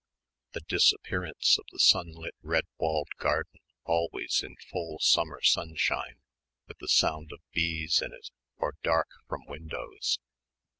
the disappearance of the sunlit red walled garden always in full summer sunshine with the sound of bees in it or dark from windows